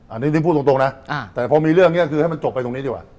อันนี้ถึงพูดตรงนะแต่พอมีเรื่องนี้คือให้มันจบไปตรงนี้ดีกว่า